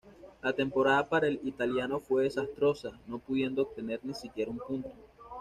La temporada para el italiano fue desastrosa, no pudiendo obtener ni siquiera un punto.